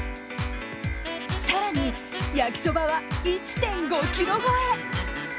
更に焼きそばは１．５ｋｇ超え。